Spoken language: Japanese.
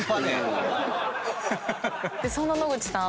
そんな野口さん